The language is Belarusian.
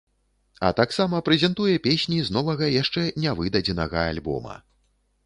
А таксама прэзентуе песні з новага, яшчэ нявыдадзенага альбома.